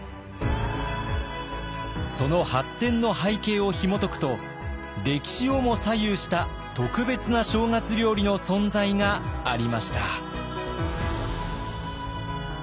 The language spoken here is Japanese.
その発展の背景をひもとくと歴史をも左右した特別な正月料理の存在がありました。